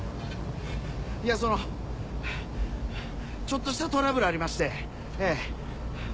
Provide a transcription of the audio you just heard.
いやそのちょっとしたトラブルありましてええ。